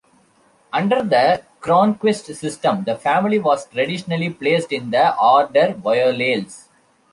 Under the Cronquist system, the family was traditionally placed in the order Violales.